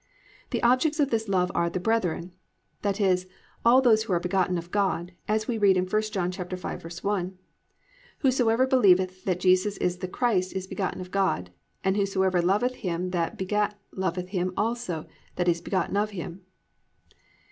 The objects of this love are "the brethren," i.e., all those who are begotten of God, as we read in 1 John 5:1, +"Whosoever believeth that Jesus is the Christ is begotten of God: and whosoever loveth him that begat loveth him also that is begotten of him."